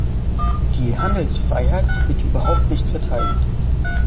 Die Handelsfreiheit wird überhaupt nicht verteidigt.